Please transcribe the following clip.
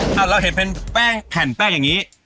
น่ะเราเห็นแผ่นแป้งแบบนี้